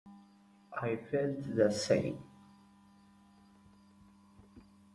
I felt the same.